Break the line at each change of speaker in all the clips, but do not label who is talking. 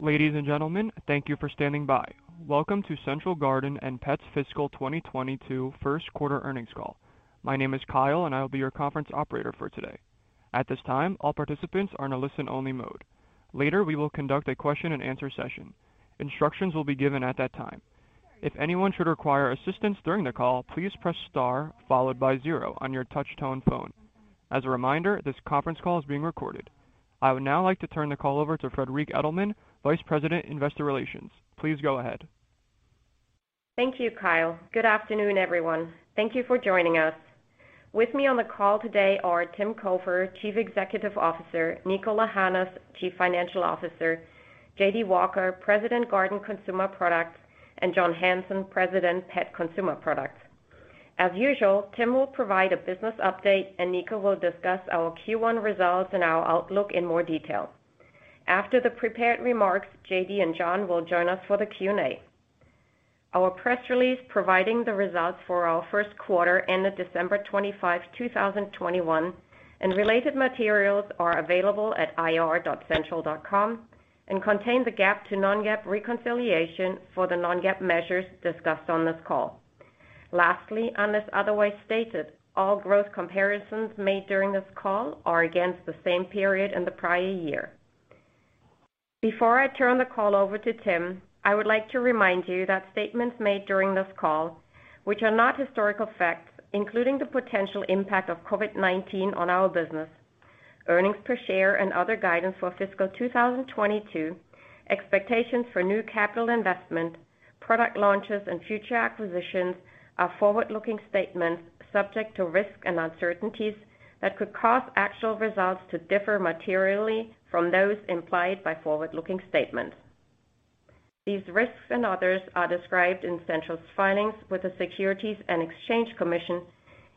Ladies and gentlemen, thank you for standing by. Welcome to Central Garden & Pet's fiscal 2022 Q1 earnings call. My name is Kyle, and I will be your conference operator for today. At this time, all participants are in a listen only mode. Later, we will conduct a question-and-answer session. Instructions will be given at that time. If anyone should require assistance during the call, please press star followed by zero on your touch-tone phone. As a reminder, this Conference Call is being recorded. I would now like to turn the call over to Friederike Edelmann, Vice President, Investor Relations. Please go ahead.
Thank you, Kyle. Good afternoon, everyone. Thank you for joining us. With me on the call today are Tim Cofer, Chief Executive Officer, Niko Lahanas, Chief Financial Officer, J.D. Walker, President, Garden Consumer Products, and John Hanson, President, Pet Consumer Products. As usual, Tim will provide a business update, and Niko will discuss our Q1 results and our outlook in more detail. After the prepared remarks, J.D. and John will join us for the Q&A. Our press release providing the results for our Q1 ended December 25, 2021, and related materials are available at ir.central.com and contain the GAAP to non-GAAP reconciliation for the non-GAAP measures discussed on this call. Lastly, unless otherwise stated, all growth comparisons made during this call are against the same period in the prior year. Before I turn the call over to Tim, I would like to remind you that statements made during this call, which are not historical facts, including the potential impact of COVID-19 on our business, earnings per share and other guidance for fiscal 2022, expectations for new capital investment, product launches and future acquisitions are forward-looking statements subject to risks and uncertainties that could cause actual results to differ materially from those implied by forward-looking statements. These risks and others are described in Central's filings with the Securities and Exchange Commission,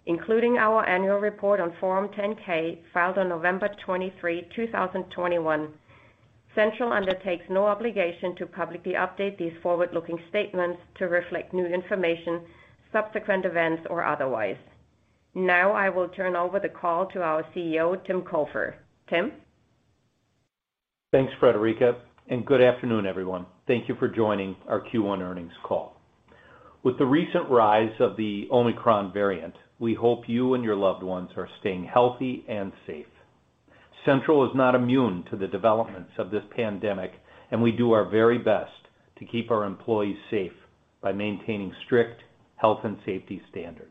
including our annual report on Form 10-K filed on November 23, 2021. Central undertakes no obligation to publicly update these forward-looking statements to reflect new information, subsequent events or otherwise. Now, I will turn over the call to our CEO, Tim Cofer. Tim.
Thanks, Friederike, and good afternoon, everyone. Thank you for joining our Q1 earnings call. With the recent rise of the Omicron variant, we hope you and your loved ones are staying healthy and safe. Central is not immune to the developments of this pandemic, and we do our very best to keep our employees safe by maintaining strict health and safety standards.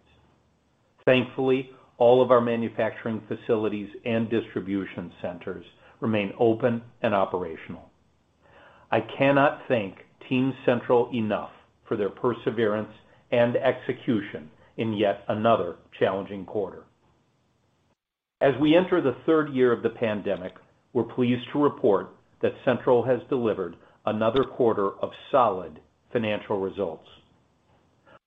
Thankfully, all of our manufacturing facilities and distribution centers remain open and operational. I cannot thank Team Central enough for their perseverance and execution in yet another challenging quarter. As we enter the third year of the pandemic, we're pleased to report that Central has delivered another quarter of solid financial results.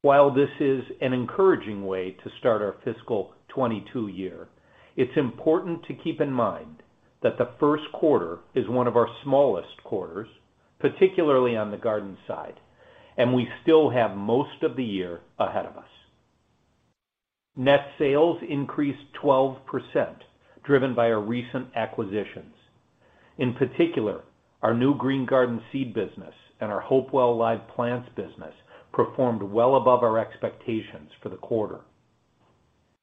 While this is an encouraging way to start our fiscal 2022 year, it's important to keep in mind that the Q1 is one of our smallest quarters, particularly on the garden side, and we still have most of the year ahead of us. Net sales increased 12%, driven by our recent acquisitions. In particular, our new Green Garden seed business and our Hopewell live plants business performed well above our expectations for the quarter.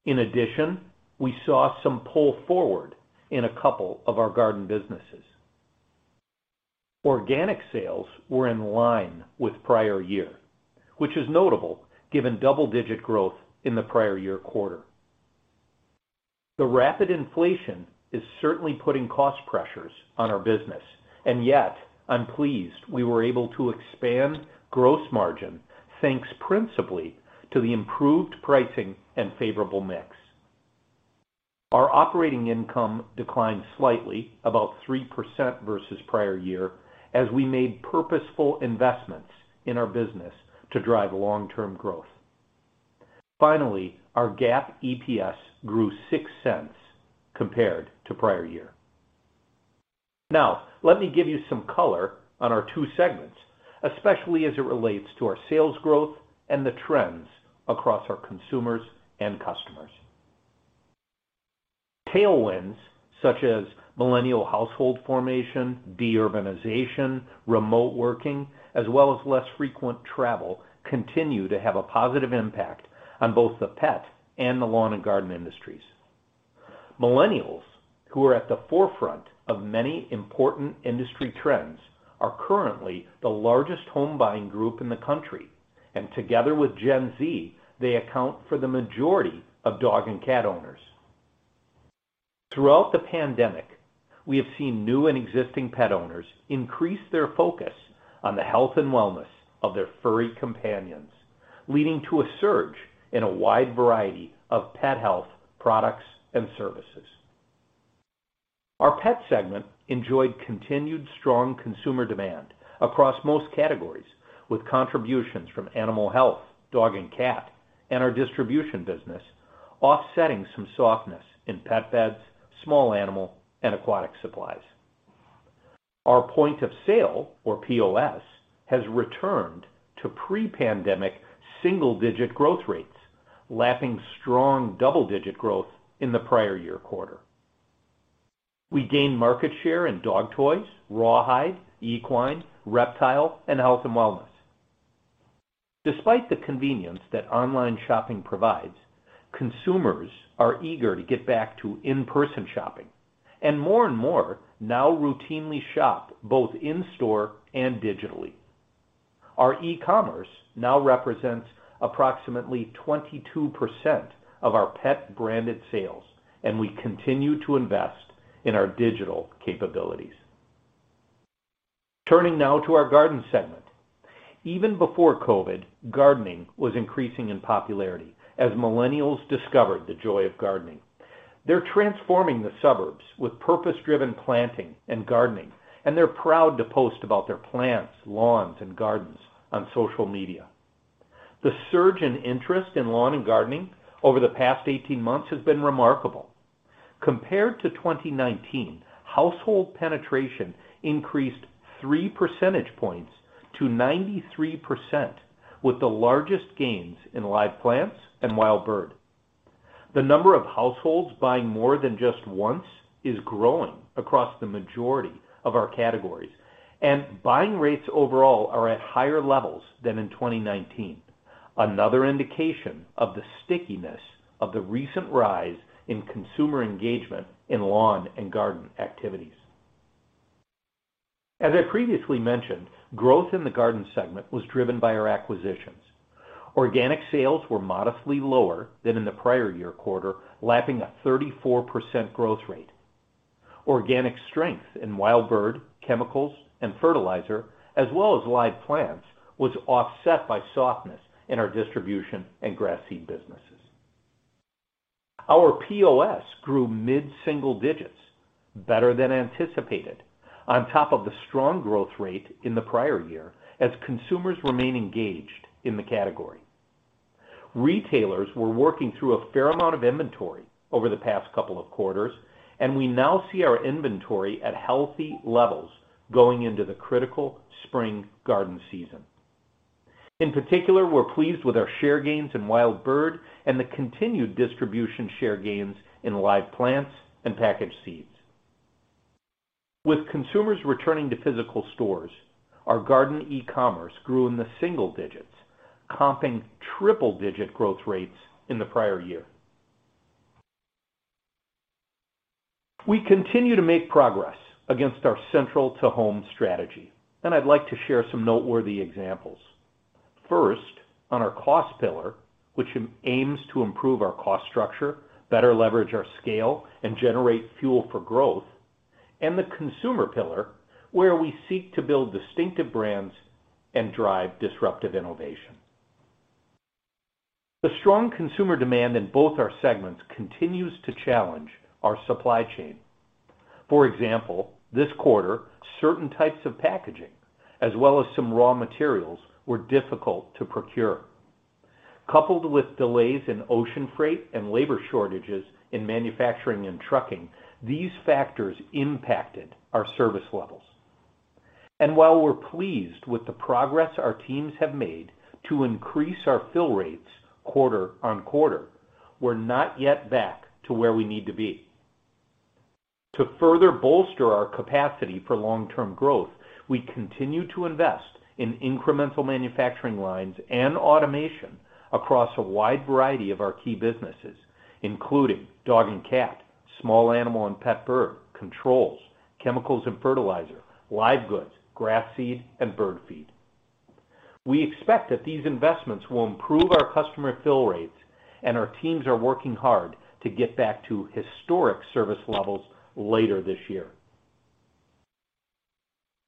In addition, we saw some pull forward in a couple of our garden businesses. Organic sales were in line with prior year, which is notable given double-digit growth in the prior year quarter. The rapid inflation is certainly putting cost pressures on our business, and yet I'm pleased we were able to expand gross margin, thanks principally to the improved pricing and favorable mix. Our operating income declined slightly, about 3% versus prior year as we made purposeful investments in our business to drive long-term growth. Finally, our GAAP EPS grew $0.06 compared to prior year. Now, let me give you some color on our 2 segments, especially as it relates to our sales growth and the trends across our consumers and customers. Tailwinds such as millennial household formation, de-urbanization, remote working, as well as less frequent travel, continue to have a positive impact on both the pet and the lawn and garden industries. Millennials, who are at the forefront of many important industry trends, are currently the largest home buying group in the country, and together with Gen Z, they account for the majority of dog and cat owners. Throughout the pandemic, we have seen new and existing pet owners increase their focus on the health and wellness of their furry companions, leading to a surge in a wide variety of pet health products and services. Our pet segment enjoyed continued strong consumer demand across most categories, with contributions from animal health, dog and cat, and our distribution business offsetting some softness in pet beds, small animal, and aquatic supplies. Our point of sale or POS has returned to pre-pandemic single-digit growth rates, lapping strong double-digit growth in the prior year quarter. We gained market share in dog toys, rawhide, equine, reptile, and health and wellness. Despite the convenience that online shopping provides, consumers are eager to get back to in-person shopping and more and more now routinely shop both in store and digitally. Our e-commerce now represents approximately 22% of our pet branded sales, and we continue to invest in our digital capabilities. Turning now to our garden segment. Even before COVID, gardening was increasing in popularity as millennials discovered the joy of gardening. They're transforming the suburbs with purpose-driven planting and gardening, and they're proud to post about their plants, lawns, and gardens on social media. The surge in interest in lawn and gardening over the past 18 months has been remarkable. Compared to 2019, household penetration increased 3 percentage points to 93% with the largest gains in live plants and wild bird. The number of households buying more than just once is growing across the majority of our categories, and buying rates overall are at higher-levels than in 2019. Another indication of the stickiness of the recent rise in consumer engagement in lawn and garden activities. As I previously mentioned, growth in the garden segment was driven by our acquisitions. Organic sales were modestly lower than in the prior year quarter, lapping a 34% growth rate. Organic strength in wild bird, chemicals, and fertilizer, as well as live plants, was offset by softness in our distribution and grass seed businesses. Our POS grew mid-single-digits better than anticipated on top of the strong growth rate in the prior year as consumers remain engaged in the category. Retailers were working through a fair amount of inventory over the past couple of quarters, and we now see our inventory at healthy levels going into the critical spring garden season. In particular, we're pleased with our share gains in wild bird and the continued distribution share gains in live plants and packaged seeds. With consumers returning to physical stores, our garden e-commerce grew in the single-digits, comping triple-digit growth rates in the prior year. We continue to make progress against our Central to Home strategy, and I'd like to share some noteworthy examples. First, on our cost pillar, which aims to improve our cost structure, better leverage our scale, and generate fuel for growth, and the consumer pillar, where we seek to build distinctive brands and drive disruptive innovation. The strong consumer demand in both our segments continues to challenge our supply chain. For example, this quarter, certain types of packaging, as well as some raw materials, were difficult to procure. Coupled with delays in ocean freight and labor shortages in manufacturing and trucking, these factors impacted our service levels. While we're pleased with the progress our teams have made to increase our fill rates quarter-over-quarter, we're not yet back to where we need to be. To further bolster our capacity for long-term growth, we continue to invest in incremental manufacturing lines and automation across a wide variety of our key businesses, including dog and cat, small animal and pet bird, controls, chemicals and fertilizer, live goods, grass seed, and bird feed. We expect that these investments will improve our customer fill rates, and our teams are working hard to get back to historic service levels later this year.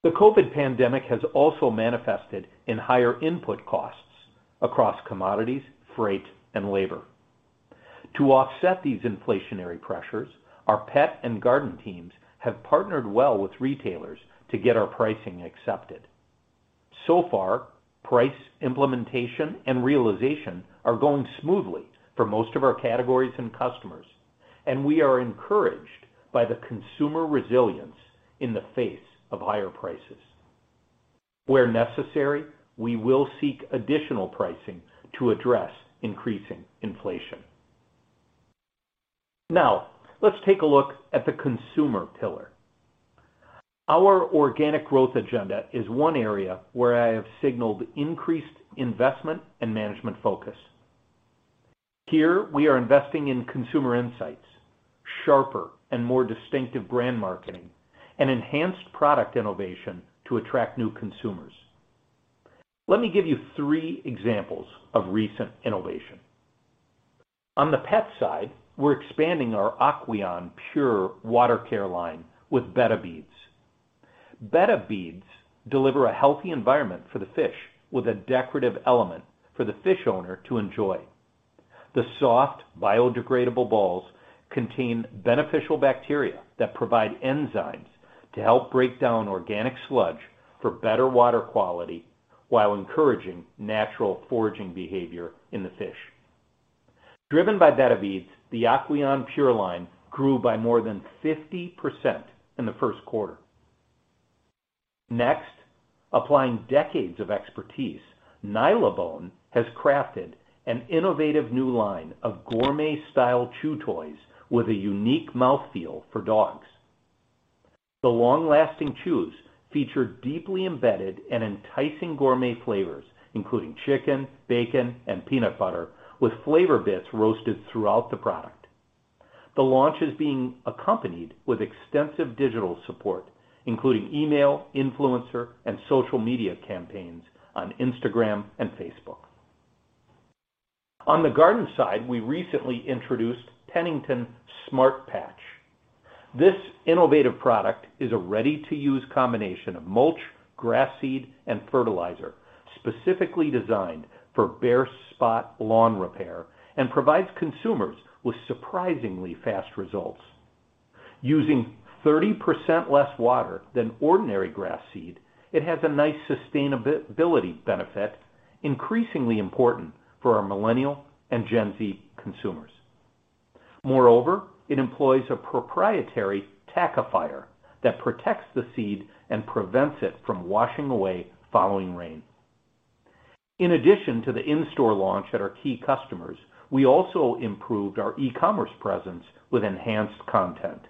The COVID pandemic has also manifested in higher input costs across commodities, freight, and labor. To offset these inflationary pressures, our pet and garden teams have partnered well with retailers to get our pricing accepted. So far, price implementation and realization are going smoothly for most of our categories and customers, and we are encouraged by the consumer resilience in the face of higher prices. Where necessary, we will seek additional pricing to address increasing inflation. Now, let's take a look at the consumer pillar. Our organic growth agenda is one area where I have signaled increased investment and management focus. Here we are investing in consumer insights, sharper and more distinctive brand marketing, and enhanced product innovation to attract new consumers. Let me give you three examples of recent innovation. On the pet side, we're expanding our Aqueon PURE water care line with Betta Beads. Betta Beads deliver a healthy environment for the fish with a decorative element for the fish owner to enjoy. The soft, biodegradable balls contain beneficial bacteria that provide enzymes to help break down organic sludge for better water quality while encouraging natural foraging behavior in the fish. Driven by Betta Beads, the Aqueon PURE line grew by more than 50% in the Q1. Next, applying decades of expertise, Nylabone has crafted an innovative new line of gourmet style chew toys with a unique mouth feel for dogs. The long-lasting chews feature deeply embedded and enticing gourmet flavors, including chicken, bacon, and peanut butter, with flavor bits roasted throughout the product. The launch is being accompanied with extensive digital support, including email, influencer, and social media campaigns on Instagram and Facebook. On the garden side, we recently introduced Pennington Smart Patch. This innovative product is a ready-to-use combination of mulch, grass seed, and fertilizer, specifically designed for bare spot lawn repair, and provides consumers with surprisingly fast results. Using 30% less water than ordinary grass seed, it has a nice sustainability benefit, increasingly important for our millennial and Gen Z consumers. Moreover, it employs a proprietary tackifier that protects the seed and prevents it from washing away following rain. In addition to the in-store launch at our key customers, we also improved our e-commerce presence with enhanced content.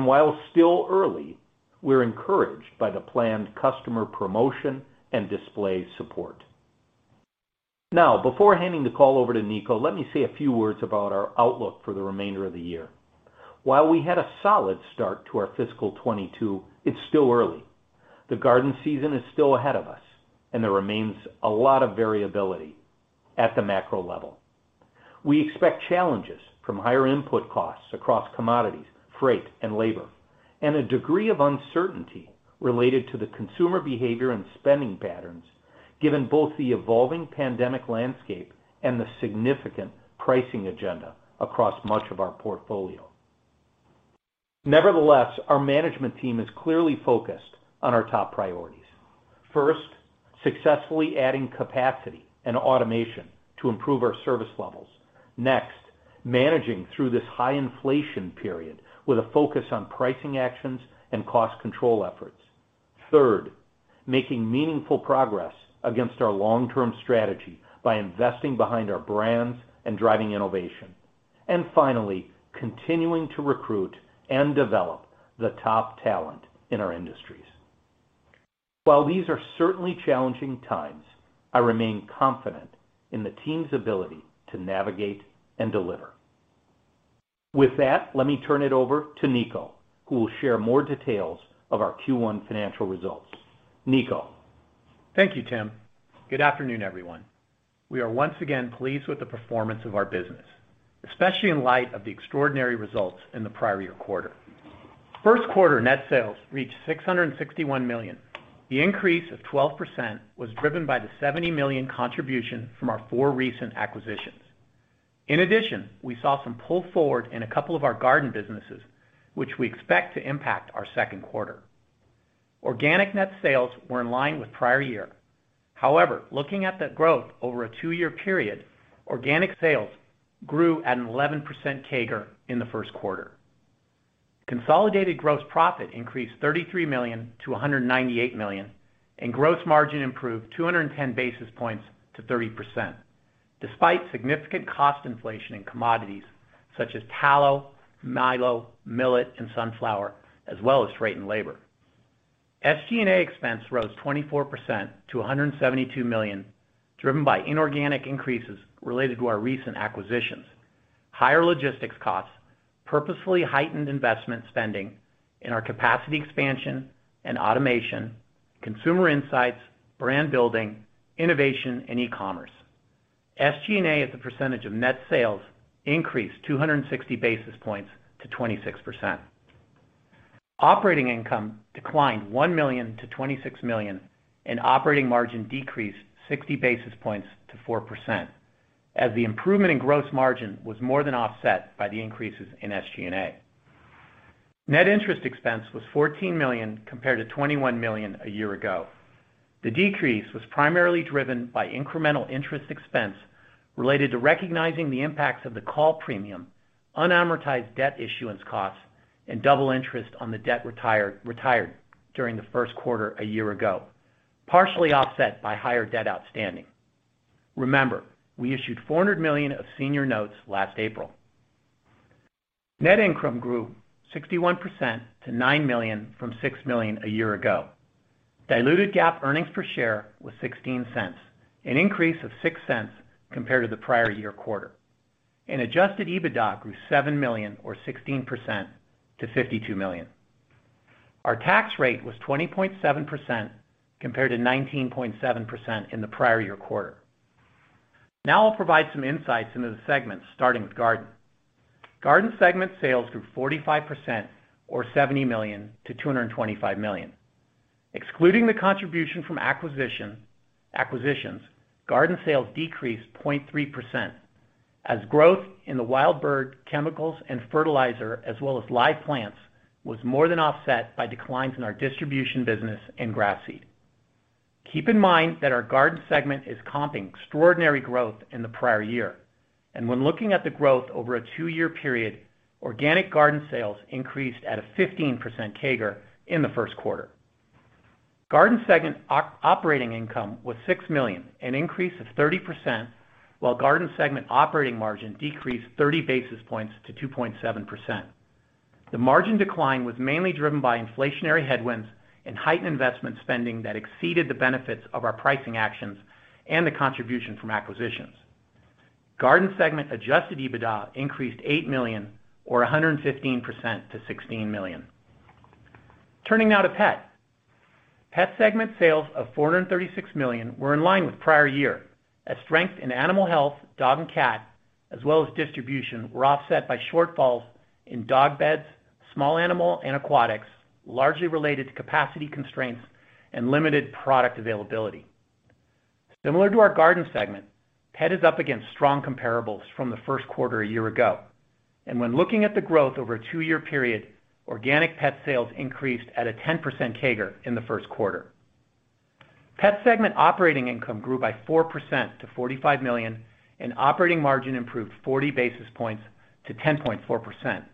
While still early, we're encouraged by the planned customer promotion and display support. Now, before handing the call over to Niko, let me say a few words about our outlook for the remainder of the year. While we had a solid start to our fiscal 2022, it's still early. The garden season is still ahead of us, and there remains a lot of variability at the macro level. We expect challenges from higher input costs across commodities, freight, and labor, and a degree of uncertainty related to the consumer behavior and spending patterns, given both the evolving pandemic landscape and the significant pricing agenda across much of our portfolio. Nevertheless, our management team is clearly focused on our top priorities. First, successfully adding capacity and automation to improve our service levels. Next, managing through this high inflation period with a focus on pricing actions and cost control efforts. Third, making meaningful progress against our long-term strategy by investing behind our brands and driving innovation. And finally, continuing to recruit and develop the top talent in our industries. While these are certainly challenging times, I remain confident in the team's ability to navigate and deliver. With that, let me turn it over to Niko, who will share more details of our Q1 financial results. Niko?
Thank you, Tim. Good afternoon, everyone. We are once again pleased with the performance of our business, especially in light of the extraordinary results in the prior year quarter. Q1 net sales reached $661 million. The increase of 12% was driven by the $70 million contribution from our four recent acquisitions. In addition, we saw some pull forward in a couple of our garden businesses, which we expect to impact our Q2. Organic net sales were in line with prior year. However, looking at the growth over a 2-year period, organic sales grew at an 11% CAGR in the Q1. Consolidated gross profit increased $33 million to $198 million, and gross margin improved 210 basis points to 30%, despite significant cost inflation in commodities such as tallow, milo, millet, and sunflower, as well as freight and labor. SG&A expense rose 24% to $172 million, driven by inorganic increases related to our recent acquisitions, higher logistics costs, purposefully heightened investment spending in our capacity expansion and automation, consumer insights, brand building, innovation, and e-commerce. SG&A as a percentage of net sales increased 260 basis points to 26%. Operating income declined $1 million to $26 million, and operating margin decreased 60 basis points to 4%, as the improvement in gross margin was more than offset by the increases in SG&A. Net interest expense was $14 million compared to $21 million a year ago. The decrease was primarily driven by incremental interest expense related to recognizing the impacts of the call premium, unamortized debt issuance costs, and double interest on the debt retired during the Q1 a year ago, partially offset by higher debt outstanding. Remember, we issued $400 million of senior notes last April. Net income grew 61% to $9 million from $6 million a year ago. Diluted GAAP earnings per share was $0.16, an increase of $0.06 compared to the prior year quarter. Adjusted EBITDA grew $7 million or 16% to $52 million. Our tax rate was 20.7% compared to 19.7% in the prior year quarter. Now I'll provide some insights into the segments, starting with Garden. Garden segment sales grew 45% or $70 million to $225 million. Excluding the contribution from acquisitions, garden sales decreased 0.3% as growth in the wild bird, chemicals, and fertilizer, as well as live plants, was more than offset by declines in our distribution business and grass seed. Keep in mind that our garden segment is comping extraordinary growth in the prior year. When looking at the growth over a two-year period, organic garden sales increased at a 15% CAGR in the Q1. Garden segment operating income was $6 million, an increase of 30%, while garden segment operating margin decreased 30 basis points to 2.7%. The margin decline was mainly driven by inflationary headwinds and heightened investment spending that exceeded the benefits of our pricing actions and the contribution from acquisitions. Garden segment adjusted EBITDA increased $8 million or 115% to $16 million. Turning now to pet. Pet segment sales of $436 million were in line with prior year, as strength in animal health, dog and cat, as well as distribution, were offset by shortfalls in dog beds, small animal and aquatics, largely related to capacity constraints and limited product availability. Similar to our garden segment, pet is up against strong comparables from the Q1 a year ago. When looking at the growth over a 2-year period, organic pet sales increased at a 10% CAGR in the Q1. Pet segment operating income grew by 4% to $45 million, and operating margin improved 40 basis points to 10.4%.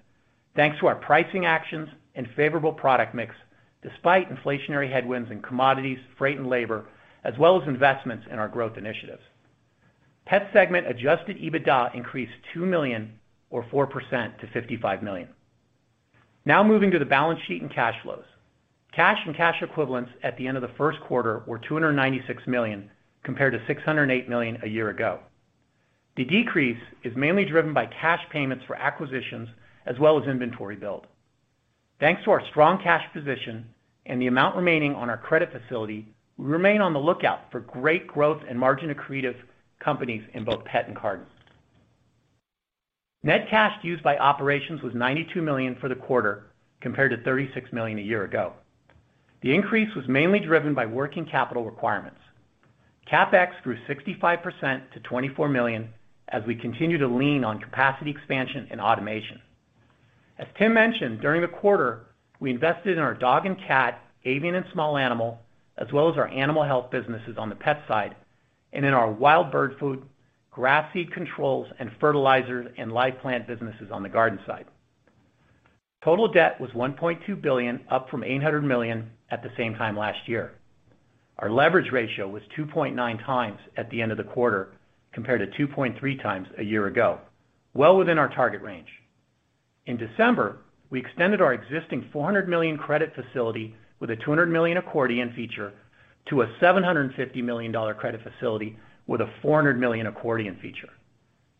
Thanks to our pricing actions and favorable product mix, despite inflationary headwinds in commodities, freight and labor, as well as investments in our growth initiatives. Pet segment adjusted EBITDA increased $2 million or 4% to $55 million. Now moving to the balance sheet and cash flows. Cash and cash equivalents at the end of the Q1 were $296 million, compared to $608 million a year ago. The decrease is mainly driven by cash payments for acquisitions as well as inventory build. Thanks to our strong cash position and the amount remaining on our credit facility, we remain on the lookout for great growth and margin-accretive companies in both pet and garden. Net cash used by operations was $92 million for the quarter, compared to $36 million a year ago. The increase was mainly driven by working capital requirements. CapEx grew 65% to $24 million as we continue to lean on capacity expansion and automation. As Tim mentioned, during the quarter, we invested in our dog and cat, avian and small animal, as well as our animal health businesses on the pet side, and in our wild bird food, grass seed controls and fertilizers and live plant businesses on the garden side. Total debt was $1.2 billion, up from $800 million at the same time last year. Our leverage ratio was 2.9 times at the end of the quarter, compared to 2.3 times a year ago, well within our target range. In December, we extended our existing $400 million credit facility with a $200 million accordion feature to a $750 million credit facility with a $400 million accordion feature.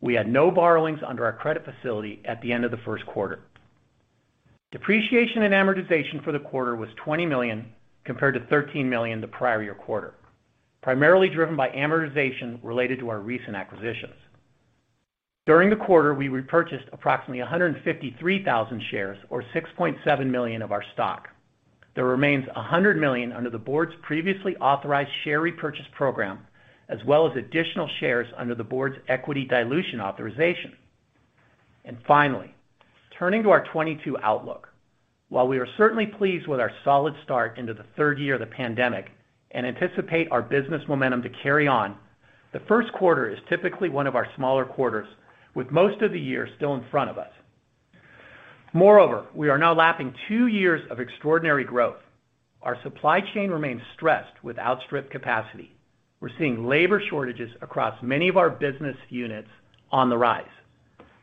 We had no borrowings under our credit facility at the end of the Q1. Depreciation and amortization for the quarter was $20 million, compared to $13 million the prior year quarter, primarily driven by amortization related to our recent acquisitions. During the quarter, we repurchased approximately 153,000 shares or $6.7 million of our stock. There remains $100 million under the board's previously authorized share repurchase program, as well as additional shares under the board's equity dilution authorization. Finally, turning to our 2022 outlook. While we are certainly pleased with our solid start into the third year of the pandemic and anticipate our business momentum to carry on, the Q1 is typically one of our smaller quarters, with most of the year still in front of us. Moreover, we are now lapping two years of extraordinary growth. Our supply chain remains stressed with outstripped capacity. We're seeing labor shortages across many of our business units on the rise,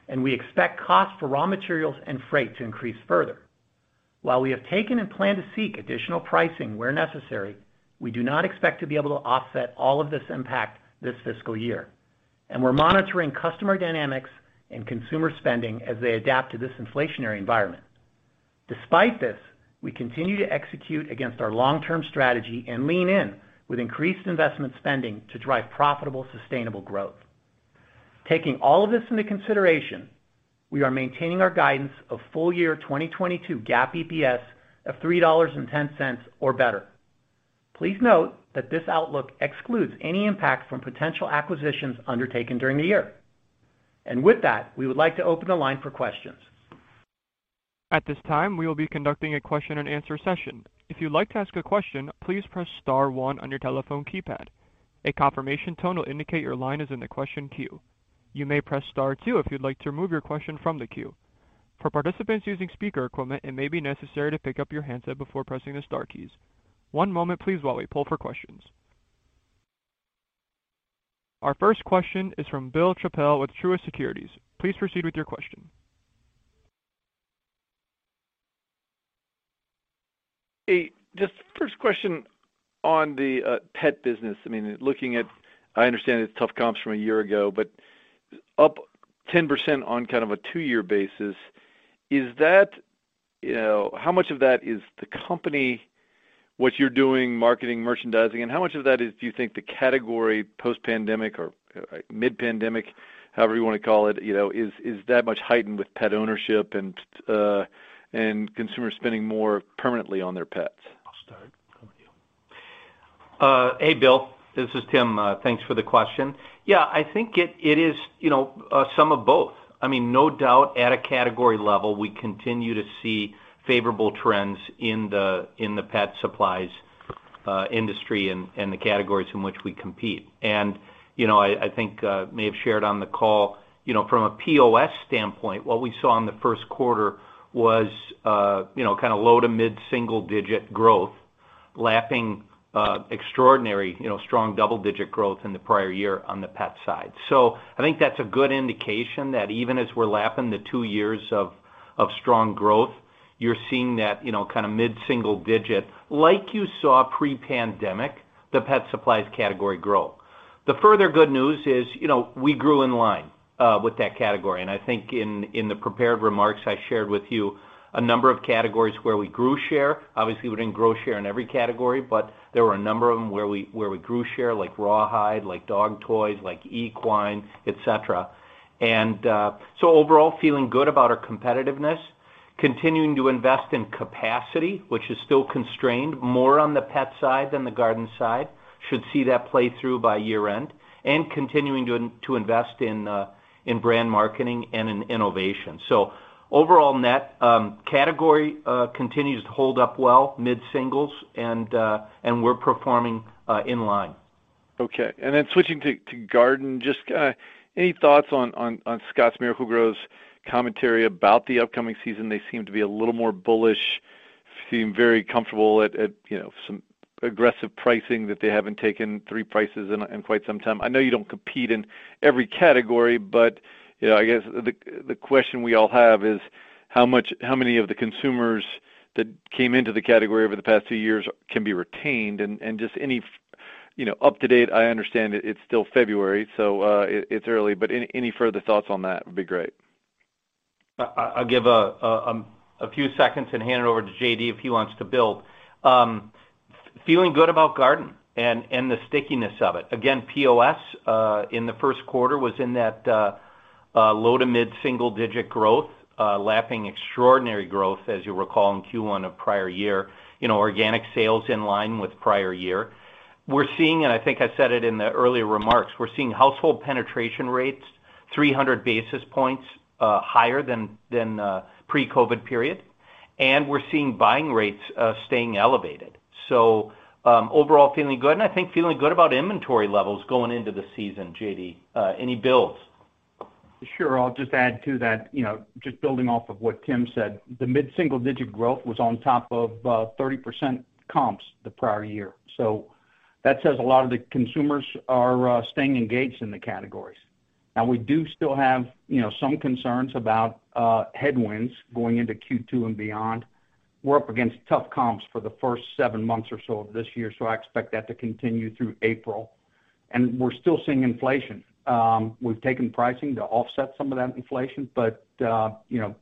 and we expect costs for raw materials and freight to increase further. While we have taken and plan to seek additional pricing where necessary, we do not expect to be able to offset all of this impact this fiscal year. We're monitoring customer dynamics and consumer spending as they adapt to this inflationary environment. Despite this, we continue to execute against our long-term strategy and lean in with increased investment spending to drive profitable, sustainable growth. Taking all of this into consideration, we are maintaining our guidance of full-year 2022 GAAP EPS of $3.10 or better. Please note that this outlook excludes any impact from potential acquisitions undertaken during the year. With that, we would like to open the line for questions.
At this time, we will be conducting a question and answer session. If you'd like to ask a question, please press star one on your telephone keypad. A confirmation tone will indicate your line is in the question queue. You may press star two if you'd like to remove your question from the queue. For participants using speaker equipment, it may be necessary to pick up your handset before pressing the star keys. One moment please while we poll for questions. Our first question is from Bill Chappell with Truist Securities. Please proceed with your question.
Hey, just first question on the pet business. I mean, looking at, I understand it's tough comps from a year ago, but up 10% on kind of a two-year basis. Is that, you know, how much of that is the company, what you're doing, marketing, merchandising, and how much of that is, do you think the category post-pandemic or mid-pandemic, however you wanna call it, you know, is that much heightened with pet ownership and consumer spending more permanently on their pets?
I'll start. How about you?
Hey, Bill. This is Tim. Thanks for the question. Yeah. I think it is, you know, some of both. I mean, no doubt at a category level, we continue to see favorable trends in the pet supplies. Industry and the categories in which we compete. You know, I think I may have shared on the call, you know, from a POS standpoint, what we saw in the Q1 was, you know, kinda low- to mid-single-digit growth, lapping extraordinary, you know, strong double-digit growth in the prior year on the pet side. I think that's a good indication that even as we're lapping the two years of strong growth, you're seeing that, you know, kinda mid-single-digit, like you saw pre-pandemic, the pet supplies category grow. The further good news is, you know, we grew in line with that category. I think in the prepared remarks, I shared with you a number of categories where we grew share. Obviously, we didn't grow share in every category, but there were a number of them where we grew share, like rawhide, like dog toys, like equine, et cetera. Overall, feeling good about our competitiveness, continuing to invest in capacity, which is still constrained more on the pet side than the garden side, should see that play through by year-end, and continuing to invest in brand marketing and in innovation. Overall net category continues to hold up well, mid-singles, and we're performing in line.
Okay. Switching to garden, just any thoughts on Scotts Miracle-Gro's commentary about the upcoming season? They seem to be a little more bullish, seem very comfortable at, you know, some aggressive pricing that they haven't taken three prices in quite some time. I know you don't compete in every category, but, you know, I guess the question we all have is how many of the consumers that came into the category over the past two years can be retained? Just, you know, up-to-date, I understand it's still February, so it's early, but any further thoughts on that would be great.
I'll give a few seconds and hand it over to J.D. if he wants to build. Feeling good about garden and the stickiness of it. Again, POS in the Q1 was in that low- to mid-single-digit growth, lapping extraordinary growth, as you recall, in Q1 of prior year. You know, organic sales in line with prior year. We're seeing, and I think I said it in the earlier remarks, we're seeing household penetration rates 300 basis points higher than pre-COVID period. We're seeing buying rates staying elevated. Overall feeling good, and I think feeling good about inventory levels going into the season. J.D., any builds?
Sure. I'll just add to that, you know, just building off of what Tim said. The mid-single-digit growth was on top of 30% comps the prior year. That says a lot of the consumers are staying engaged in the categories. Now, we do still have, you know, some concerns about headwinds going into Q2 and beyond. We're up against tough comps for the first seven months or so of this year, so I expect that to continue through April. We're still seeing inflation. We've taken pricing to offset some of that inflation, but you know,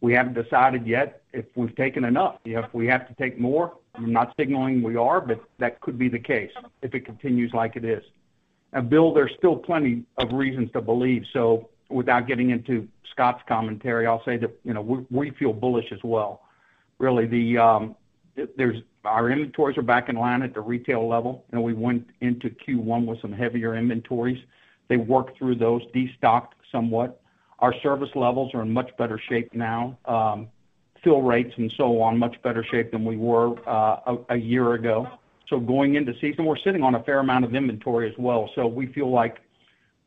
we haven't decided yet if we've taken enough. You know, if we have to take more. I'm not signaling we are, but that could be the case if it continues like it is. Bill, there's still plenty of reasons to believe. Without getting into Scott's commentary, I'll say that, you know, we feel bullish as well. Really, our inventories are back in line at the retail level, and we went into Q1 with some heavier inventories. They worked through those, destocked somewhat. Our service levels are in much better shape now. Fill rates and so on, much better shape than we were a year ago. Going into season, we're sitting on a fair amount of inventory as well. We feel like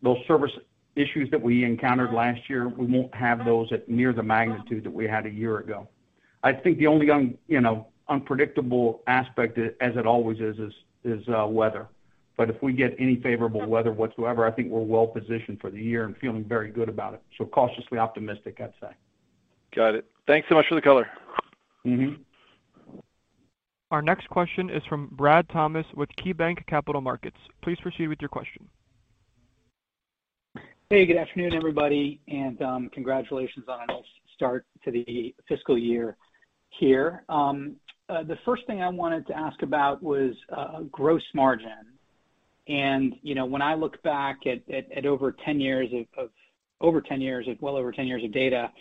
those service issues that we encountered last year, we won't have those at near the magnitude that we had a year ago. I think the only unpredictable aspect, you know, as it always is weather. If we get any favorable weather whatsoever, I think we're well positioned for the year and feeling very good about it. Cautiously optimistic, I'd say.
Got it. Thanks so much for the color.
Mm-hmm.
Our next question is from Brad Thomas with KeyBanc Capital Markets. Please proceed with your question.
Hey, good afternoon, everybody, and congratulations on a nice start to the fiscal year here. The first thing I wanted to ask about was gross margin. You know, when I look back at well over 10 years of data, I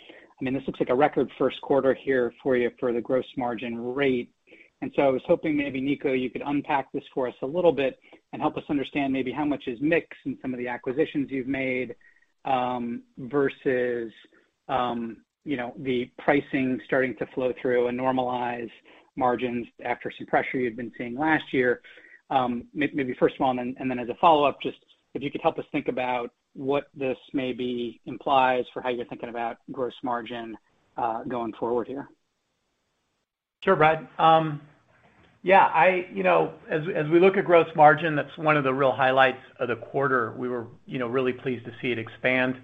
mean, this looks like a record first quarter here for you for the gross margin rate. I was hoping maybe, Niko, you could unpack this for us a little bit and help us understand maybe how much is mix and some of the acquisitions you've made versus you know, the pricing starting to flow through and normalize margins after some pressure you've been seeing last year. Maybe first of all, and then as a follow-up, just if you could help us think about what this maybe implies for how you're thinking about gross margin going forward here.
Sure, Brad. Yeah, you know, as we look at gross margin, that's one of the real highlights of the quarter. We were, you know, really pleased to see it expand.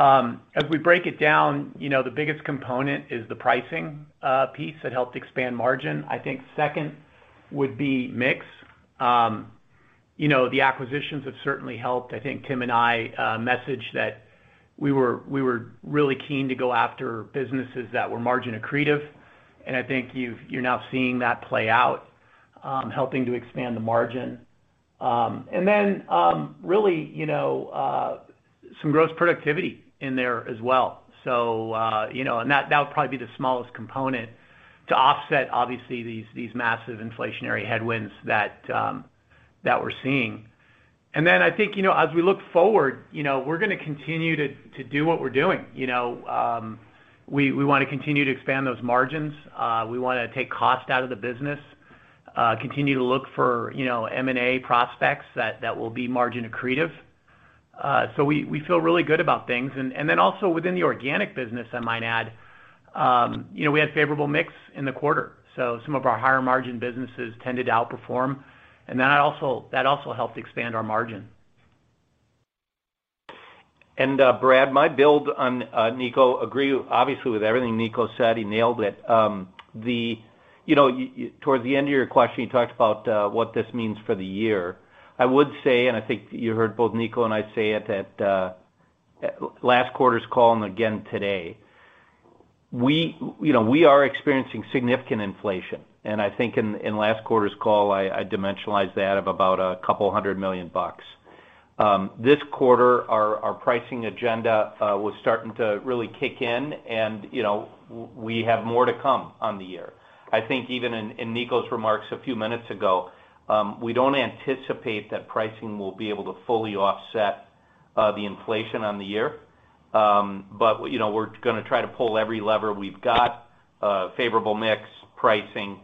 As we break it down, you know, the biggest component is the pricing piece that helped expand margin. I think second would be mix. You know, the acquisitions have certainly helped. I think Tim and I messaged that we were really keen to go after businesses that were margin accretive, and I think you're now seeing that play out, helping to expand the margin. And then really, you know, some gross productivity in there as well. You know, and that would probably be the smallest component to offset, obviously, these massive inflationary headwinds that we're seeing. I think, you know, as we look forward, you know, we're gonna continue to do what we're doing, you know. We wanna continue to expand those margins. We wanna take cost out of the business, continue to look for, you know, M&A prospects that will be margin accretive. We feel really good about things. Then also within the organic business, I might add, you know, we had favorable mix in the quarter, so some of our higher-margin businesses tended to outperform. That also helped expand our margin.
Brad, building on Niko, I agree obviously with everything Niko said. He nailed it. You know, toward the end of your question, you talked about what this means for the year. I would say, I think you heard both Niko and I say it at last quarter's call and again today. You know, we are experiencing significant inflation. I think in last quarter's call, I dimensionalized that of about $200 million. This quarter, our pricing agenda was starting to really kick in and, you know, we have more to come on the year. I think even in Niko's remarks a few minutes ago, we don't anticipate that pricing will be able to fully offset the inflation on the year. You know, we're gonna try to pull every lever we've got, favorable mix, pricing,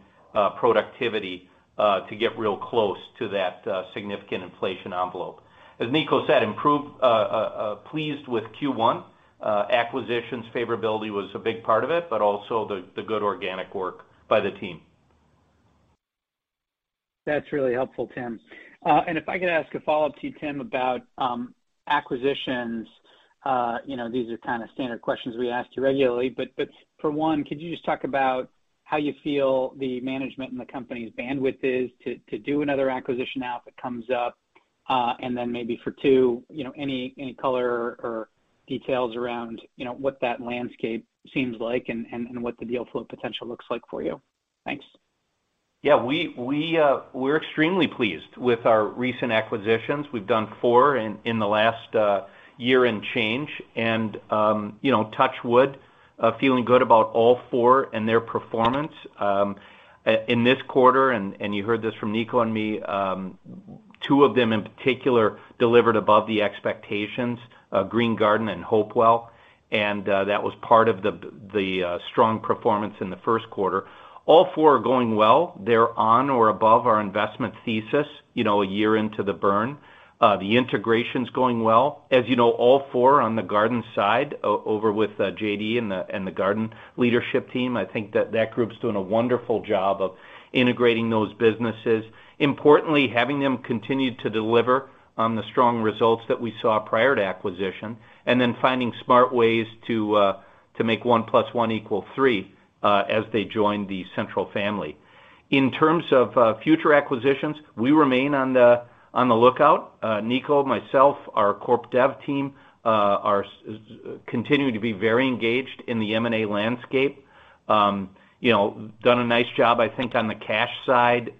productivity, to get real close to that significant inflation envelope. As Nico said, pleased with Q1. Acquisitions favorability was a big part of it, but also the good organic work by the team.
That's really helpful, Tim. If I could ask a follow-up to you, Tim, about acquisitions, you know, these are kind of standard questions we ask you regularly. For one, could you just talk about how you feel the management and the company's bandwidth is to do another acquisition now if it comes up? Maybe for two, you know, any color or details around, you know, what that landscape seems like and what the deal flow potential looks like for you? Thanks.
Yeah, we're extremely pleased with our recent acquisitions. We've done four in the last year and change and, you know, touch wood, feeling good about all four and their performance. In this quarter, you heard this from Niko and me, two of them in particular delivered above the expectations, Green Garden and Hopewell. That was part of the strong performance in the Q1. All four are going well. They're on or above our investment thesis, you know, a year into the burn. The integration's going well. As you know, all four on the garden side over with J.D. and the garden leadership team, I think that group's doing a wonderful job of integrating those businesses. Importantly, having them continue to deliver on the strong results that we saw prior to acquisition, and then finding smart ways to make one plus one equal three, as they join the Central family. In terms of future acquisitions, we remain on the lookout. Niko, myself, our corp dev team continue to be very engaged in the M&A landscape. You know, done a nice job, I think, on the cash side,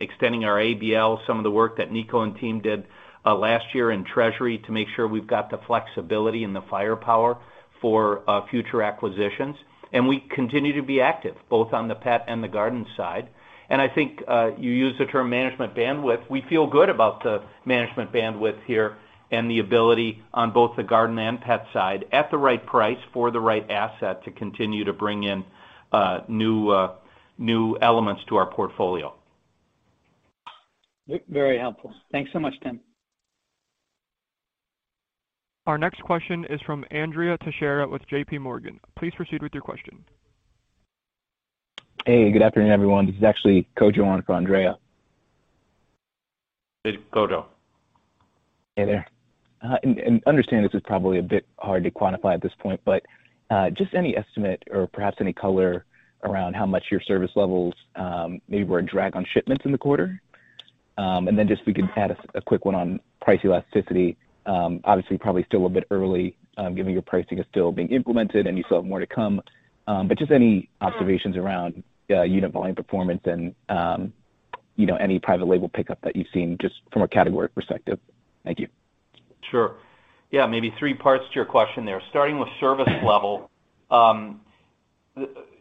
extending our ABL, some of the work that Niko and team did last year in treasury to make sure we've got the flexibility and the firepower for future acquisitions. We continue to be active, both on the pet and the garden side. I think you used the term management bandwidth. We feel good about the management bandwidth here and the ability on both the garden and pet side at the right price for the right asset to continue to bring in new elements to our portfolio.
Very helpful. Thanks so much, Tim.
Our next question is from Andrea Teixeira with JPMorgan. Please proceed with your question.
Hey, good afternoon, everyone. This is actually Kojo in for Andrea.
It's Kojo.
Hey there. I understand this is probably a bit hard to quantify at this point, but just any estimate or perhaps any color around how much your service levels maybe were a drag on shipments in the quarter. If we could add a quick one on price elasticity. Obviously, probably still a bit early, given your pricing is still being implemented and you still have more to come. Just any observations around unit volume performance and you know, any private label pickup that you've seen just from a category perspective. Thank you.
Sure. Yeah, maybe three parts to your question there. Starting with service level,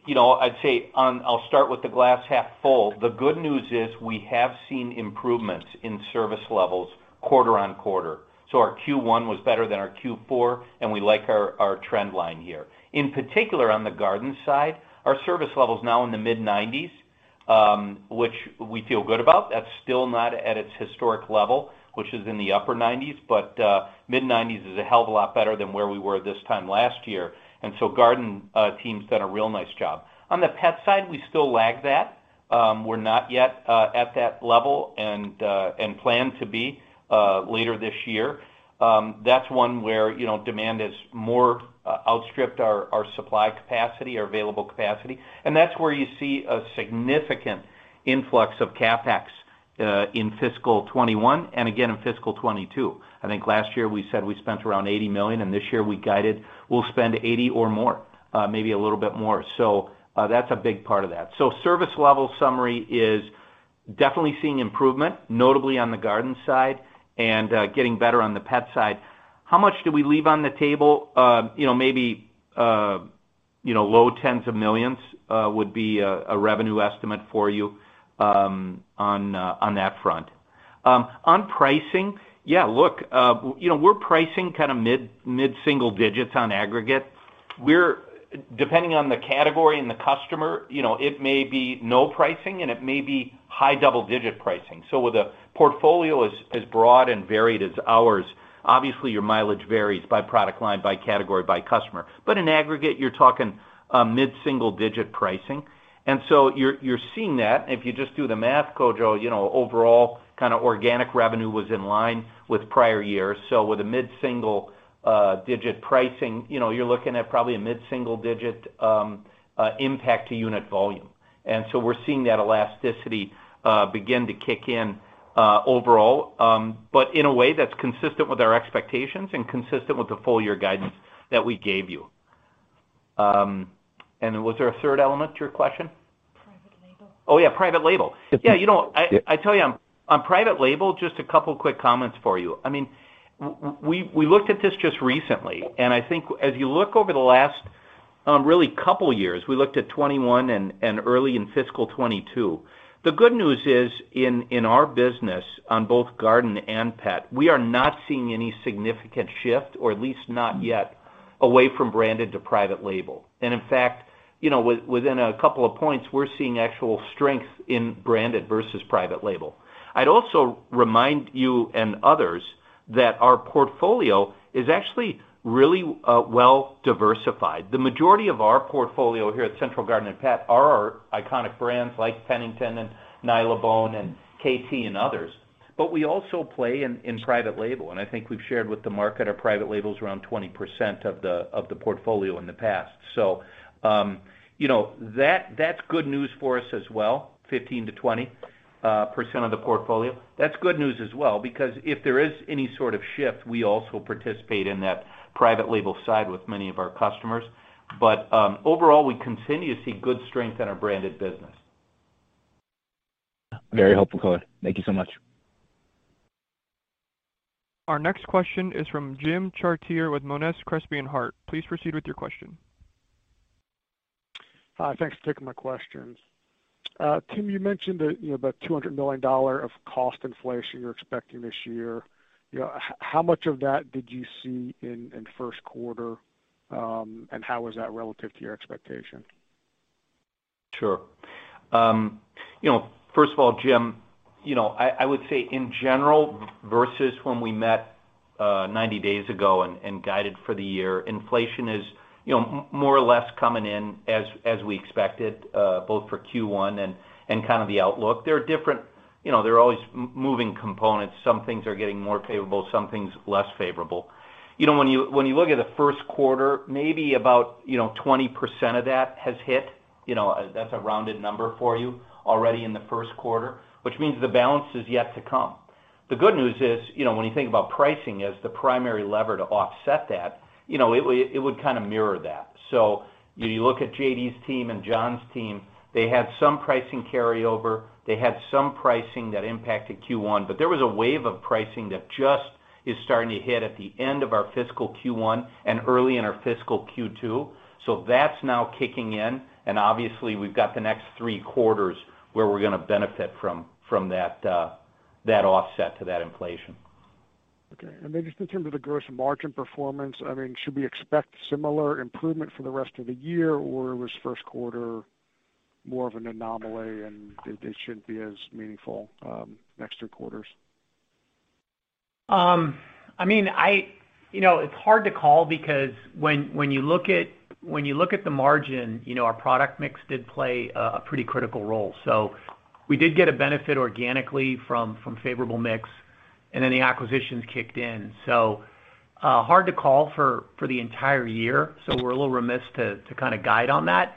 you know, I'd say I'll start with the glass half full. The good news is we have seen improvements in service levels quarter-over-quarter. Our Q1 was better than our Q4, and we like our trend line here. In particular, on the garden side, our service level is now in the mid-90s, which we feel good about. That's still not at its historic level, which is in the upper 90s, but mid-90s is a hell of a lot better than where we were this time last year. Garden team's done a real nice job. On the pet side, we still lag that. We're not yet at that level and plan to be later this year. That's one where, you know, demand is more outstripped our supply capacity or available capacity. That's where you see a significant influx of CapEx in fiscal 2021 and again in fiscal 2022. I think last year we said we spent around $80 million, and this year we guided we'll spend $80 million or more, maybe a little bit more. That's a big part of that. Service level summary is definitely seeing improvement, notably on the garden side and getting better on the pet side. How much do we leave on the table? You know, maybe, you know, low tens of millions would be a revenue estimate for you on that front. On pricing, yeah, look, you know, we're pricing kind of mid-single-digits% on aggregate. Depending on the category and the customer, you know, it may be no pricing and it may be high double-digit pricing. With a portfolio as broad and varied as ours, obviously, your mileage varies by product line, by category, by customer. In aggregate, you're talking a mid-single-digit pricing. You're seeing that. If you just do the math, Kojo, you know, overall kind of organic revenue was in line with prior years. With a mid-single-digit pricing, you know, you're looking at probably a mid-single-digit impact to unit volume. We're seeing that elasticity begin to kick in overall, but in a way that's consistent with our expectations and consistent with the full year guidance that we gave you. Then was there a third element to your question?
Private label.
Oh, yeah, private label. Yeah, you know, I tell you, on private label, just a couple of quick comments for you. I mean, we looked at this just recently, and I think as you look over the last really couple of years, we looked at 2021 and early in fiscal 2022. The good news is in our business on both garden and pet, we are not seeing any significant shift, or at least not yet away from branded to private label. In fact, you know, within a couple of points, we're seeing actual strength in branded versus private label. I'd also remind you and others that our portfolio is actually really well-diversified. The majority of our portfolio here at Central Garden and Pet are our iconic brands like Pennington and Nylabone and Kaytee and others. We also play in private label, and I think we've shared with the market our private label is around 20% of the portfolio in the past. That's good news for us as well, 15%-20% of the portfolio. That's good news as well, because if there is any sort of shift, we also participate in that private label side with many of our customers. Overall, we continue to see good strength in our branded business. Very helpful, Kojo. Thank you so much.
Our next question is from Jim Chartier with Monness, Crespi and Hardt. Please proceed with your question.
Thanks for taking my questions. Tim, you mentioned that, you know, about $200 million of cost inflation you're expecting this year. You know, how much of that did you see in Q1, and how was that relative to your expectation?
Sure. You know, first of all, Jim, you know, I would say in general, versus when we met 90 days ago and guided for the year, inflation is, you know, more or less coming in as we expected, both for Q1 and kind of the outlook. You know, there are always moving components. Some things are getting more favorable, some things less favorable. You know, when you look at the Q1, maybe about, you know, 20% of that has hit, you know, that's a rounded number for you, already in the Q1, which means the balance is yet to come. The good news is, you know, when you think about pricing as the primary lever to offset that, you know, it would kind of mirror that. You look at J.D.'s team and John's team, they had some pricing carryover, they had some pricing that impacted Q1, but there was a wave of pricing that just is starting to hit at the end of our fiscal Q1 and early in our fiscal Q2. That's now kicking in, and obviously, we've got the next three quarters where we're gonna benefit from that offset to that inflation.
Okay. Just in terms of the gross margin performance, I mean, should we expect similar improvement for the rest of the year, or was Q1 more of an anomaly and it shouldn't be as meaningful next three quarters?
I mean, you know, it's hard to call because when you look at the margin, you know, our product mix did play a pretty critical role. We did get a benefit organically from favorable mix, and then the acquisitions kicked in. Hard to call for the entire year. We're a little remiss to kind of guide on that.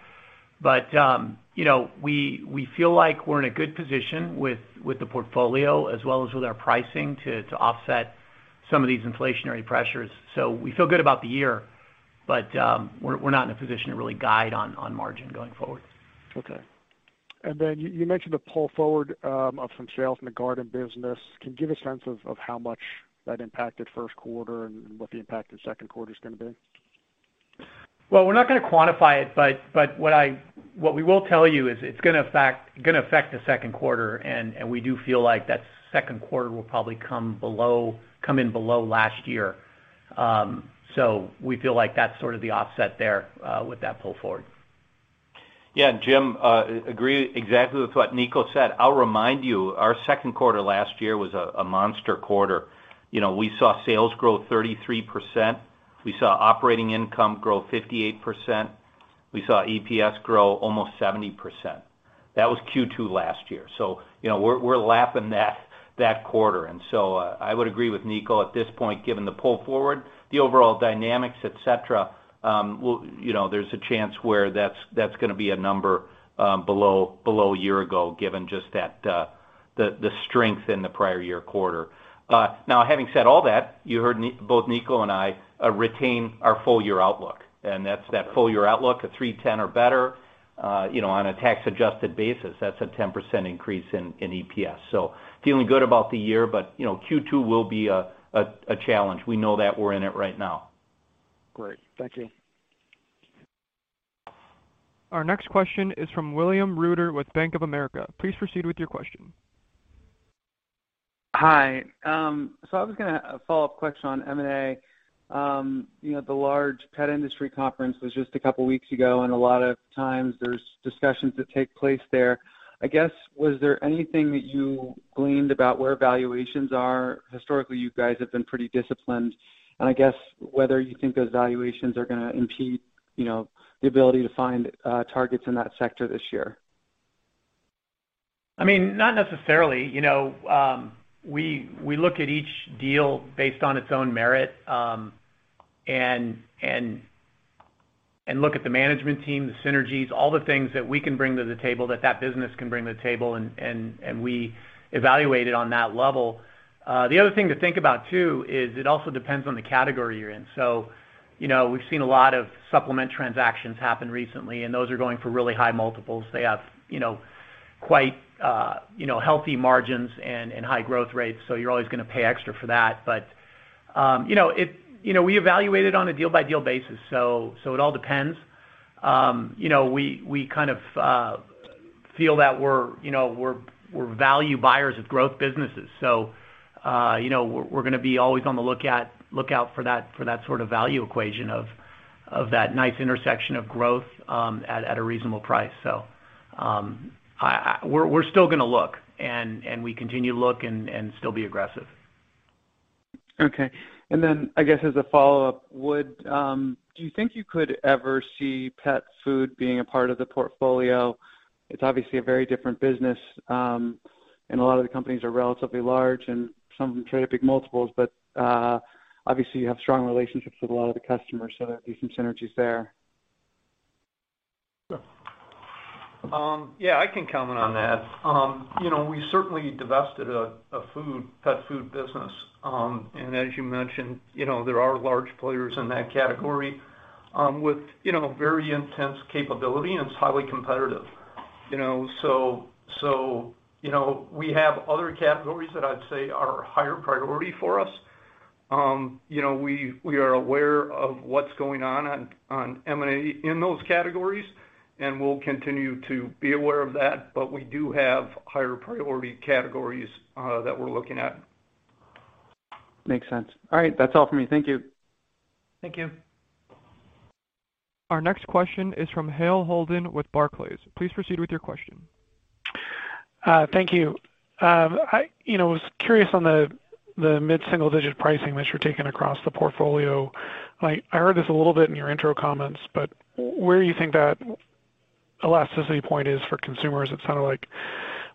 You know, we feel like we're in a good position with the portfolio as well as with our pricing to offset some of these inflationary pressures. We feel good about the year, but we're not in a position to really guide on margin going forward.
Okay. Then you mentioned the pull forward of some sales in the garden business. Can you give a sense of how much that impacted Q1 and what the impact to Q2 is gonna be?
Well, we're not gonna quantify it, but what we will tell you is it's gonna affect the Q2, and we do feel like that Q2 will probably come in below last year. We feel like that's sort of the offset there with that pull forward. Yeah. Jim, agree exactly with what Nico said. I'll remind you, our Q2 last year was a monster quarter. You know, we saw sales grow 33%. We saw operating income grow 58%. We saw EPS grow almost 70%. That was Q2 last year. You know, we're lapping that quarter. I would agree with Nico at this point, given the pull forward, the overall dynamics, et cetera. Well, you know, there's a chance where that's gonna be a number below year ago, given just that, the strength in the prior year quarter. Now, having said all that, you heard both Nico and I retain our full year outlook, and that's that full-year outlook of $3.10 or better. You know, on a tax-adjusted basis, that's a 10% increase in EPS. Feeling good about the year, but you know, Q2 will be a challenge. We know that we're in it right now.
Great. Thank you.
Our next question is from William Reuter with Bank of America. Please proceed with your question.
Hi. So a follow-up question on M&A. You know, the large pet industry conference was just a couple weeks ago, and a lot of times there's discussions that take place there. I guess, was there anything that you gleaned about where valuations are? Historically, you guys have been pretty disciplined and I guess whether you think those valuations are gonna impede, you know, the ability to find targets in that sector this year.
I mean, not necessarily. You know, we look at each deal based on its own merit, and look at the management team, the synergies, all the things that we can bring to the table, that business can bring to the table, and we evaluate it on that level. The other thing to think about too is it also depends on the category you're in. You know, we've seen a lot of supplement transactions happen recently, and those are going for really high multiples. They have, you know, quite, you know, healthy margins and high growth rates, so you're always gonna pay extra for that. You know, we evaluate it on a deal by deal basis, so it all depends. You know, we kind of feel that we're you know, we're value buyers of growth businesses, so you know, we're gonna be always on the look out for that, for that sort of value equation of that nice intersection of growth at a reasonable price. We're still gonna look and we continue to look and still be aggressive.
Okay. I guess as a follow-up, do you think you could ever see pet food being a part of the portfolio? It's obviously a very different business, and a lot of the companies are relatively large and some trade at big multiples, but obviously you have strong relationships with a lot of the customers, so there'd be some synergies there.
Sure.
Yeah, I can comment on that. You know, we certainly divested a pet food business. As you mentioned, you know, there are large players in that category, with you know, very intense capability and it's highly competitive. You know, we have other categories that I'd say are higher priority for us. You know, we are aware of what's going on on M&A in those categories, and we'll continue to be aware of that, but we do have higher priority categories that we're looking at.
Makes sense. All right. That's all for me. Thank you.
Thank you.
Our next question is from Hale Holden with Barclays. Please proceed with your question.
Thank you. I, you know, was curious on the mid-single-digit pricing that you're taking across the portfolio. I heard this a little bit in your intro comments, but where do you think that elasticity point is for consumers? It sounded like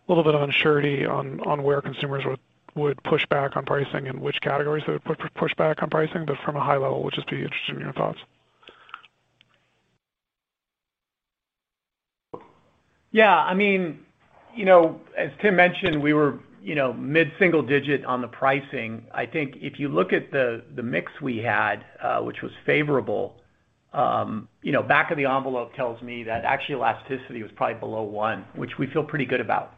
a little bit of uncertainty on where consumers would push back on pricing and which categories they would push back on pricing. From a high-level, I would just be interested in your thoughts.
Yeah, I mean, you know, as Tim mentioned, we were, you know, mid-single-digit on the pricing. I think if you look at the mix we had, which was favorable, you know, back of the envelope tells me that actually elasticity was probably below one, which we feel pretty good about.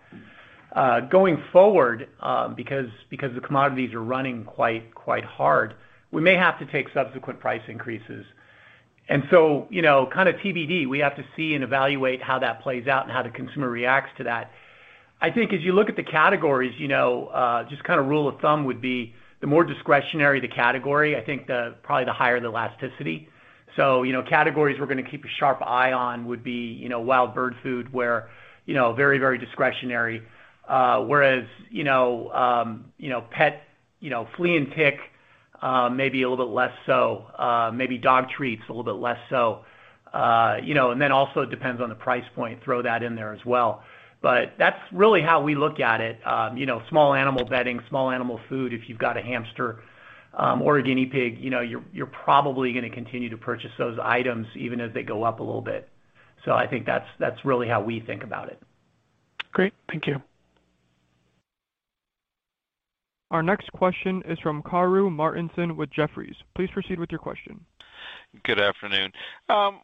Going forward, because the commodities are running quite hard, we may have to take subsequent price increases. You know, kinda TBD. We have to see and evaluate how that plays out and how the consumer reacts to that. I think as you look at the categories, you know, just kinda rule of thumb would be the more discretionary the category, I think probably the higher the elasticity. Categories we're gonna keep a sharp eye on would be, you know, wild bird food where, you know, very, very discretionary. Whereas, you know, pet, you know, flea and tick, maybe a little bit less so. Maybe dog treats a little bit less so. You know, and then also depends on the price point. Throw that in there as well. That's really how we look at it. You know, small animal bedding, small animal food. If you've got a hamster, or a guinea pig, you know, you're probably gonna continue to purchase those items even as they go up a little bit. I think that's really how we think about it.
Great. Thank you.
Our next question is from Karru Martinson with Jefferies. Please proceed with your question.
Good afternoon.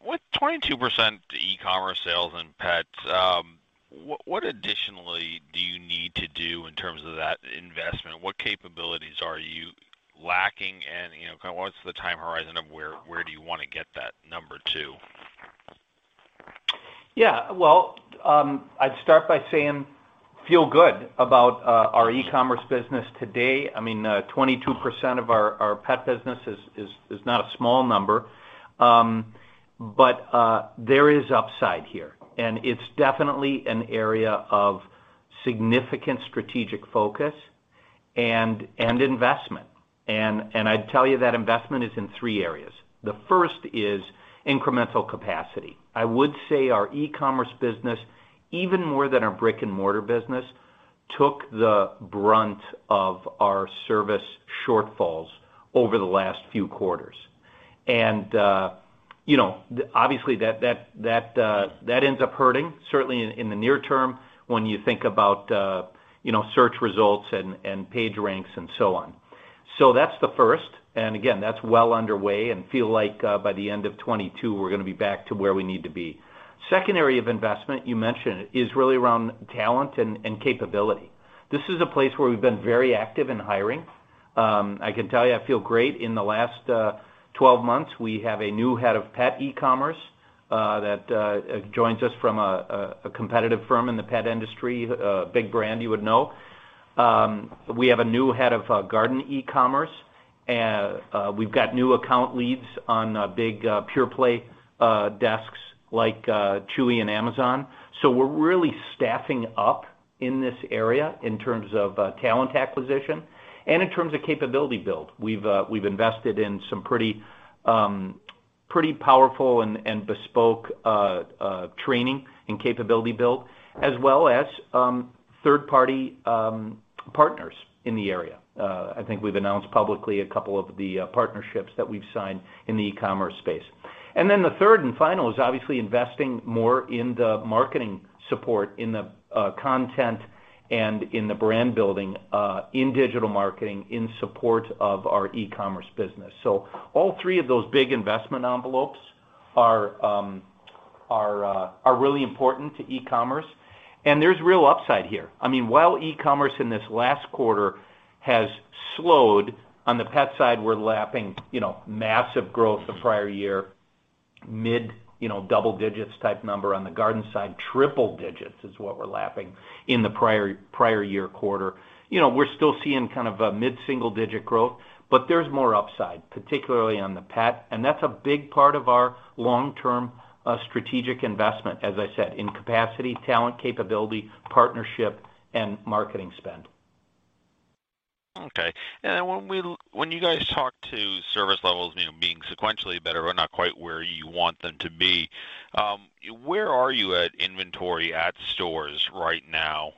With 22% e-commerce sales in pets, what additionally do you need to do in terms of that investment? What capabilities are you lacking? You know, kind of what's the time horizon of where you wanna get that number to?
Yeah. Well, I'd start by saying I feel good about our e-commerce business today. I mean, 22% of our pet business is not a small number. There is upside here, and it's definitely an area of significant strategic focus and investment. I'd tell you that investment is in three areas. The first is incremental capacity. I would say our e-commerce business, even more than our brick-and-mortar business, took the brunt of our service shortfalls over the last few quarters. You know, obviously that ends up hurting certainly in the near term when you think about search results and page ranks and so on. That's the first, and again, that's well underway and feel like, by the end of 2022, we're gonna be back to where we need to be. Second area of investment you mentioned is really around talent and capability. This is a place where we've been very active in hiring
I can tell you I feel great. In the last 12 months, we have a new head of pet e-commerce that joins us from a competitive firm in the pet industry, big brand you would know. We have a new head of garden e-commerce. We've got new account leads on big pure play desks like Chewy and Amazon. We're really staffing up in this area in terms of talent acquisition and in terms of capability build. We've invested in some pretty powerful and bespoke training and capability build as well as third-party partners in the area. I think we've announced publicly a couple of the partnerships that we've signed in the e-commerce space. Then the third and final is obviously investing more in the marketing support in the, content and in the brand building, in digital marketing in support of our e-commerce business. All three of those big investment envelopes are really important to e-commerce. There's real upside here. I mean, while e-commerce in this last quarter has slowed, on the pet side, we're lapping, you know, massive growth the prior year, mid, you know, double-digits type number on the garden side, triple-digits is what we're lapping in the prior year quarter. You know, we're still seeing kind of a mid-single-digit growth, but there's more upside, particularly on the pet, and that's a big part of our long-term, strategic investment, as I said, in capacity, talent, capability, partnership, and marketing spend.
Okay. When you guys talk about service levels, you know, being sequentially better, but not quite where you want them to be, where are you at with inventory at stores right now?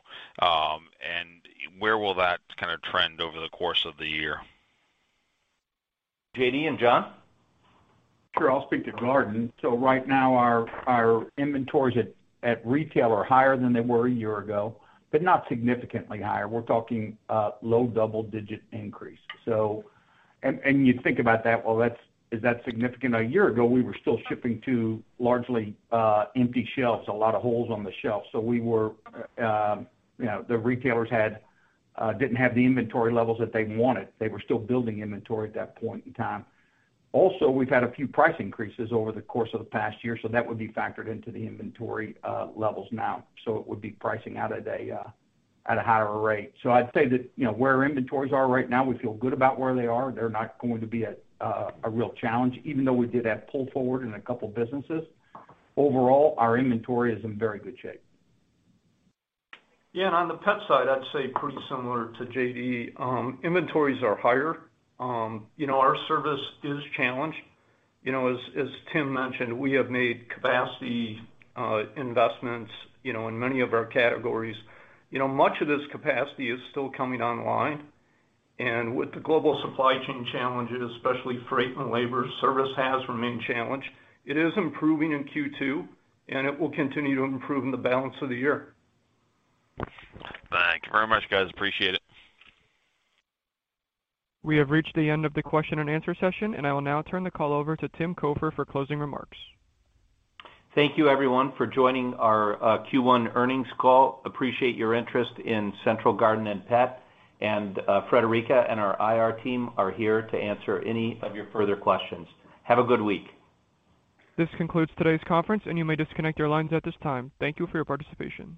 Where will that kind of trend over the course of the year?
J.D. and John?
Sure. I'll speak to garden. Right now, our inventories at retail are higher than they were a year ago, but not significantly higher. We're talking low double-digit increase. You think about that. Well, that's is that significant? A year ago, we were still shipping to largely empty shelves, a lot of holes on the shelf. The retailers didn't have the inventory levels that they wanted. They were still building inventory at that point in time. Also, we've had a few price increases over the course of the past year, so that would be factored into the inventory levels now. It would be pricing out at a higher rate. I'd say that, you know, where our inventories are right now, we feel good about where they are. They're not going to be a real challenge, even though we did have pull forward in a couple businesses. Overall, our inventory is in very good shape.
Yeah, on the pet side, I'd say pretty similar to J.D. Inventories are higher. You know, our service is challenged. You know, as Tim mentioned, we have made capacity investments, you know, in many of our categories. You know, much of this capacity is still coming online. With the global supply chain challenges, especially freight and labor, service has remained challenged. It is improving in Q2, and it will continue to improve in the balance of the year.
Thank you very much, guys. Appreciate it.
We have reached the end of the question and answer session, and I will now turn the call over to Tim Cofer for closing remarks.
Thank you, everyone, for joining our Q1 earnings call. Appreciate your interest in Central Garden & Pet. Friederike and our IR team are here to answer any of your further questions. Have a good week.
This concludes today's conference, and you may disconnect your lines at this time. Thank you for your participation.